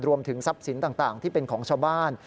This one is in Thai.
รวมถึงทรัพย์สินต่างที่เป็นของชาวบ้าน